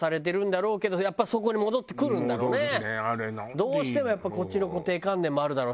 どうしてもやっぱこっちの固定観念もあるだろうし客側の。